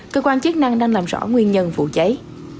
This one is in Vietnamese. cơ quan chức năng đang làm rõ nguyên nhân vụ cháy